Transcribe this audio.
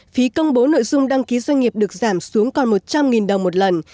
phí công bố nội dung đăng ký doanh nghiệp được giảm xuống còn một trăm linh đồng một lần